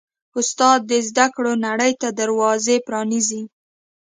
استاد د زده کړو نړۍ ته دروازه پرانیزي.